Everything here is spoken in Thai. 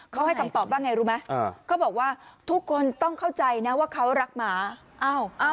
เขาให้คำตอบว่าไงรู้ไหมเขาบอกว่าทุกคนต้องเข้าใจนะว่าเขารักหมา